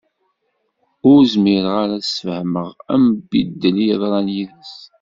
Ur zmireɣ ara ad d-sfehmeɣ ambiddel i yeḍran yid-s.